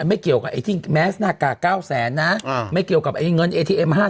ไม่เกี่ยวกับไอ้ที่แมสหน้ากาก๙แสนนะไม่เกี่ยวกับไอ้เงินเอทีเอ็ม๕๐